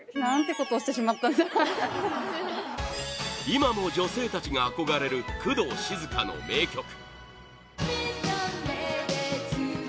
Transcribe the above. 今も女性たちが憧れる工藤静香の名曲